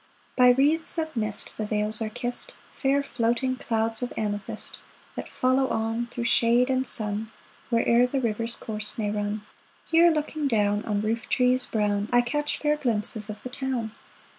By wreaths of mist The vales are kissed — Fair, floating clouds of amethyst, That follow on, Through shade and sun, Where'er the river's course may run. Here, looking down On roof trees brown, I catch fair glimpses of the town.